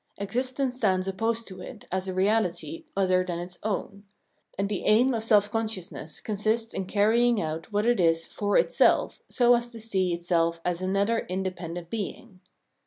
Existence stands opposed to it as a reality other than its own ; and the aim of self conscious ness consists in carrying out what it is "for itself" so as to see itself as another independent being.